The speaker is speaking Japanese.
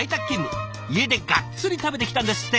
家でがっつり食べてきたんですって。